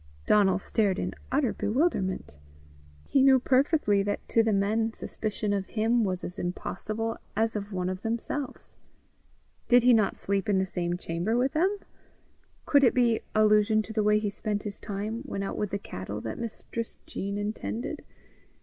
Donal stared in utter bewilderment. He knew perfectly that to the men suspicion of him was as impossible as of one of themselves. Did he not sleep in the same chamber with them? Could it be allusion to the way he spent his time when out with the cattle that Mistress Jean intended?